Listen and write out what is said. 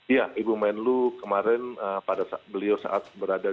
iya ibu menlu kemarin pada beliau saat berada